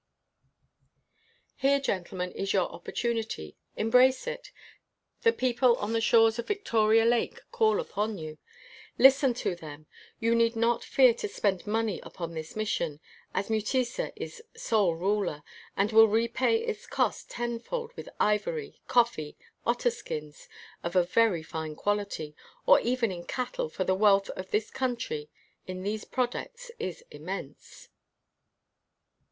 "Here, gentlemen, is your opportunity — embrace it! The people on the shores of Victoria Lake call upon you. Listen to them. You need not fear to spend money upon this mission, as Mutesa is sole ruler, 5 WHITE MAN OF WORK and will repay its cost tenfold with ivory, coffee, otter skins of a very fine quality, or even in cattle, for the wealth of this country in these products is immense."